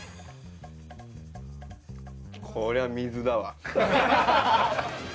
こりゃ水だわ。